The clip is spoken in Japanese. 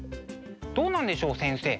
どうなんでしょう先生。